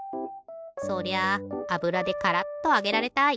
そりゃああぶらでカラッとあげられたい。